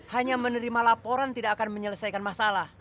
hanya menerima laporan tidak akan menyelesaikan masalah